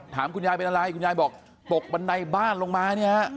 ถามคุณยายเป็นอะไรคุณยายบอกตกบันไดบ้านลงมา